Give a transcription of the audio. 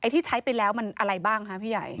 ที่ใช้ไปแล้วมันอะไรบ้างคะพี่ใหญ่